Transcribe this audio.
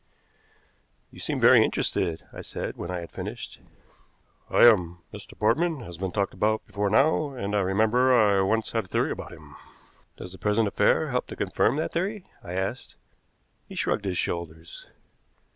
"You seem very interested," I said, when I had finished. "I am. Mr. Portman has been talked about before now, and I remember I once had a theory about him." "Does the present affair help to confirm that theory?" I asked. He shrugged his shoulders.